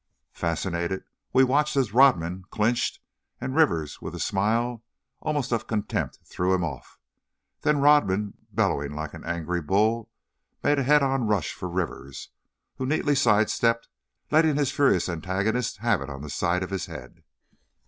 Fascinated, we watched as Rodman clinched, and Rivers with a smile, almost of contempt, threw him off. Then Rodman, bellowing like an angry bull, made a head on rush for Rivers, who neatly sidestepped, letting his furious antagonist have it on the side of his head.